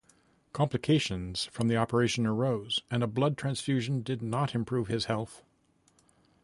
Complications from the operation arose, and a blood transfusion did not improve his health.